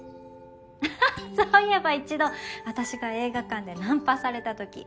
ふふっそういえば一度私が映画館でナンパされたとき